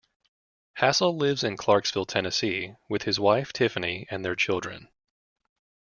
Hassell lives in Clarksville, Tennessee with his wife Tiffany and their children.